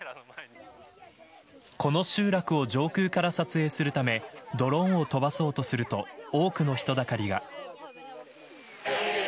この集落を上空から撮影するためドローンを飛ばそうとすると多くの人だかりが。